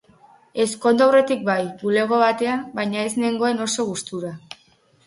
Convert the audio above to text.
Ezkondu aurretik bai, bulego batean, baina ez nengoen oso gustura.